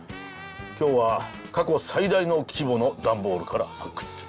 今日は過去最大の規模の段ボールから発掘する。